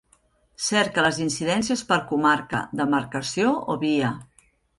Cerca les incidències per comarca, demarcació o via.